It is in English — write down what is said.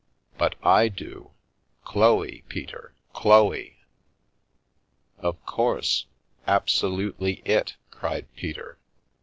But I do— Chloe, Peter, Chloe !" Via Amoris "Of course! Absolutely it!" cried Peter.